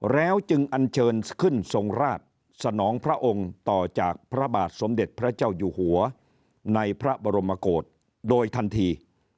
แล้วจึงอันเชิญขึ้นทรงราชสนองพระองค์ต่อจากพระบาทสมเด็จพระเจ้าอยู่หัวในพระบรมกฏโดยทันที